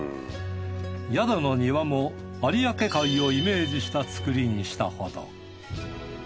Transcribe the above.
宿の庭も有明海をイメージした造りにしたほど。